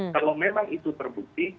kalau memang itu terbukti